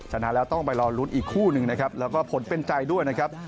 ชนะแล้วต้องไปรอลุ้นอีกคู่หนึ่งนะครับแล้วก็ผลเป็นใจด้วยนะครับ